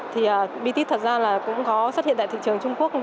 thì bitit thật ra là cũng có xuất hiện tại thị trường trung quốc